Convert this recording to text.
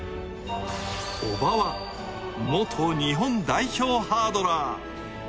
叔母は元日本代表ハードラー。